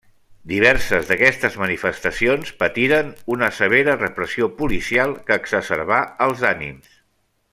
Diverses d'aquestes manifestacions patiren una severa repressió policial que exacerbà els ànims.